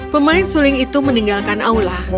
pemain suling itu meninggalkan aula